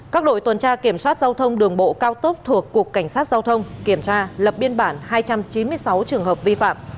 các đội tuần tra kiểm soát giao thông đường bộ cao tốc thuộc cục cảnh sát giao thông kiểm tra lập biên bản hai trăm chín mươi sáu trường hợp vi phạm